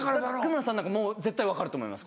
玖村さんなんかもう絶対分かると思います